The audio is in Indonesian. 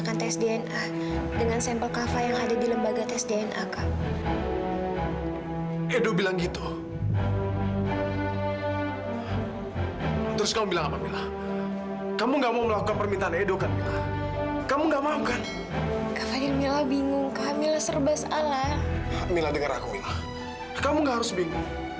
kamu nggak harus bingung